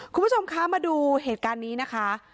คุณผู้ชมคะมาดูเหตุการณ์นี้นะคะ